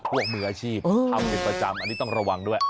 มืออาชีพทำเป็นประจำอันนี้ต้องระวังด้วย